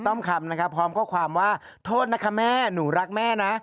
้อมคำนะคะพร้อมข้อความว่าโทษนะคะแม่หนูรักแม่นะ